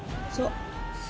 そう。